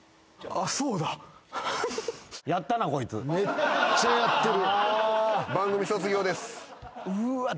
めっちゃやってる。